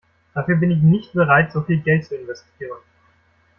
Dafür bin ich nicht bereit, so viel Geld zu investieren.